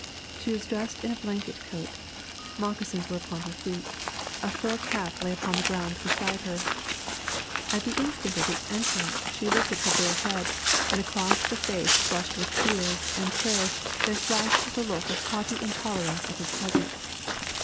She was dressed in a blanket coat; moccasins were upon her feet; a fur cap lay upon the ground beside her. At the instant of his entrance she lifted her bare head, and across the face flushed with tears and prayers there flashed the look of haughty intolerance of his presence.